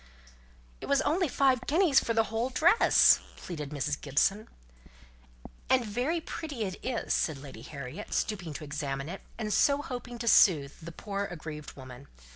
"It was only five guineas for the whole dress," pleaded Mrs. Gibson. "And very pretty it is," said Lady Harriet, stooping to examine it, and so hoping to soothe the poor aggrieved woman.